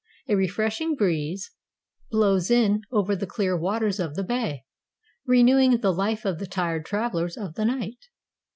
A refreshing breeze blows in over the clear waters of the bay, renewing the life of the tired travelers of the night.